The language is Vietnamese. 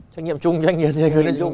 trách nhiệm chung trách nhiệm chung